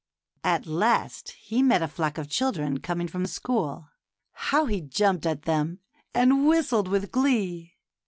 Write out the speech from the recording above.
At last he met a flock of children coming from school. How he jumped at them, and whistled with glee